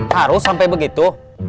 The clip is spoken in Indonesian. harus sampai begitu